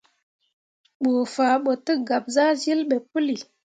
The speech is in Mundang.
Bə faa ɓo tə gab zahsyil ɓe pəli.